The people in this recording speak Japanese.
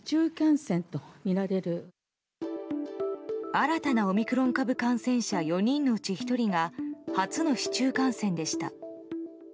新たなオミクロン株感染者４人のうち１人が初の市中感染でした。